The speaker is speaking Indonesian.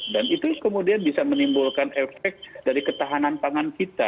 dan itu kemudian bisa menimbulkan efek dari ketahanan pangan kita